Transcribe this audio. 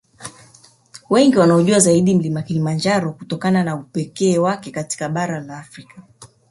Wengi wanaUjua zaidi Mlima Kilimanjaro kutokana na upekee wake katika bara la Afrika